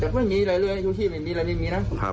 แต่ก็ไม่มีอะไรเลยชีวิตมันมีอะไรไม่มีนะครับ